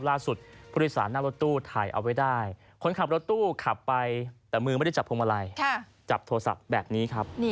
ผู้โดยสารหน้ารถตู้ถ่ายเอาไว้ได้คนขับรถตู้ขับไปแต่มือไม่ได้จับพวงมาลัยจับโทรศัพท์แบบนี้ครับ